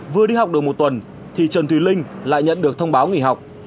vừa đi học được một tuần thì trần thùy linh lại nhận được thông báo nghỉ học